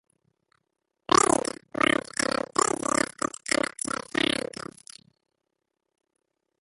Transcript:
Reade was an enthusiastic amateur scientist.